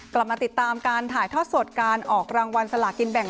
กลับมาติดตามการถ่ายทอดสดการออกรางวัลสลากินแบ่ง